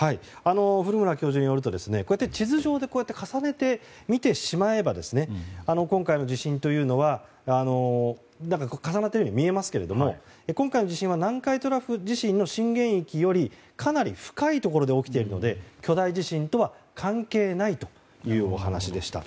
古村教授によると地図上で重ねて見てしまえば今回の地震というのは重なっているように見えますが今回の地震は南海トラフ地震の震源域よりかなり深いところで起きているので巨大地震とは関係ないというお話でした。